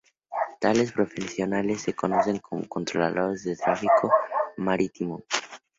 Tales profesionales se conocen como controladores de tráfico marítimo.